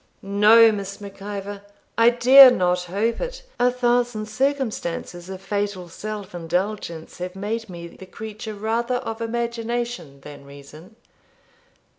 'No, Miss Mac Ivor, I dare not hope it; a thousand circumstances of fatal self indulgence have made me the creature rather of imagination than reason.